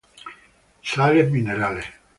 Sales minerales.